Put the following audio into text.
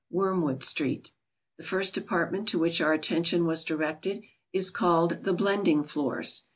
Wormwood Street. The first department to which our attention was directed, is called the "Blending Floors."